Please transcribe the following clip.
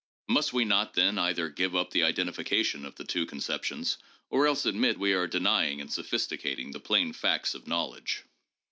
Must we not, then, either give up the identification of the two conceptions, or else admit we are denying and sophisticating the plain facts of knowledge